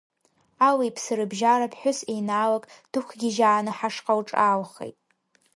Али-ԥси рыбжьара ԥҳәыс еинаалак дықәгьежьааны ҳашҟа лҿаалхеит.